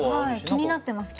気になってます